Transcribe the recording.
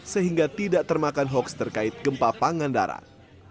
sehingga tidak termakan hoaks terkait gempa pangandaran